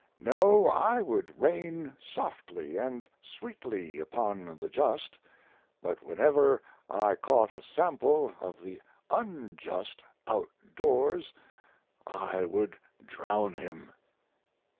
No, I would rain softly and sweetly upon the just, but whenever I caught a sample of the unjust outdoors I would drown him.